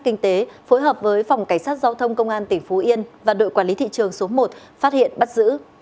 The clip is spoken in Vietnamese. kinh tế phối hợp với phòng cảnh sát giao thông công an tỉnh phú yên và đội quản lý thị trường số một phát hiện bắt giữ